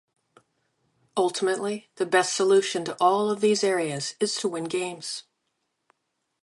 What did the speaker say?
Ultimately, the best solution to all of these areas is to win games.